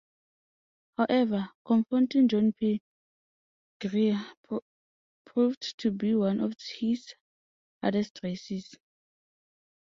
However, confronting John P. Grier proved to be one of his hardest races.